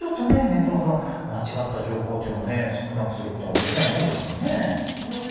ネットのその間違った情報っていうのをね少なくすることはできないもんですかね？